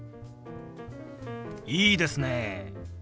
いいですね！